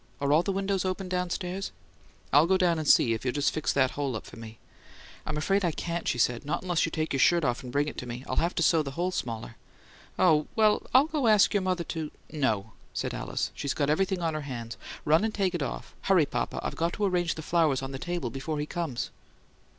"Are all the windows open downstairs?" "I'll go down and see, if you'll just fix that hole up for me." "I'm afraid I can't," she said. "Not unless you take your shirt off and bring it to me. I'll have to sew the hole smaller." "Oh, well, I'll go ask your mother to " "No," said Alice. "She's got everything on her hands. Run and take it off. Hurry, papa; I've got to arrange the flowers on the table before he comes."